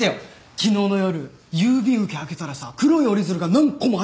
昨日の夜郵便受け開けたらさ黒い折り鶴が何個も入ってて。